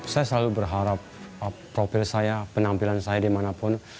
saya selalu berharap profil saya penampilan saya dimanapun